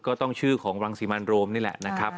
ก็ต้องชื่อของรังสิมันโรมนี่แหละนะครับ